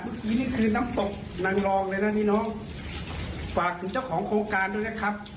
เมื่อกี้นี่คือน้ำตกนางรองเลยนะพี่น้องฝากถึงเจ้าของโครงการด้วยนะครับ